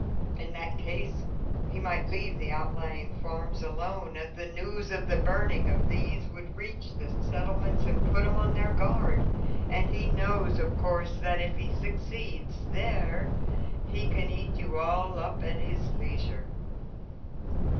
In that case he might leave the outlying farms alone, as the news of the burning of these would reach the settlements and put 'em on their guard, and he knows, in course, that if he succeeds there he can eat you all up at his leisure."